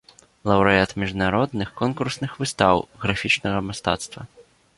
Лаўрэат міжнародных конкурсных выстаў графічнага мастацтва.